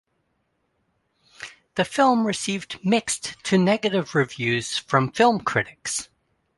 The film received mixed to negative reviews from film critics.